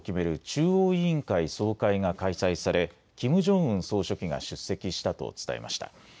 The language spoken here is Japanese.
中央委員会総会が開催されキム・ジョンウン総書記が出席したと伝えました。